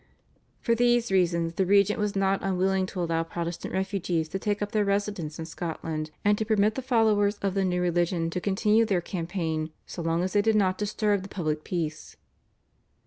For these reasons the regent was not unwilling to allow Protestant refugees to take up their residence in Scotland, and to permit the followers of the new religion to continue their campaign so long as they did not disturb the public peace.